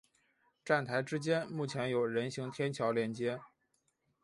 站台之间目前有人行天桥连接。